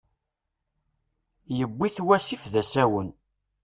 Yewwi-t wasif d asawen.